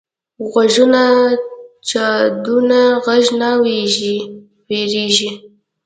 غوږونه د چاودنو غږ نه وېریږي